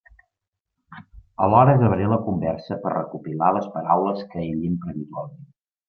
Alhora gravaré la conversa per a recopilar les paraules que ell empra habitualment.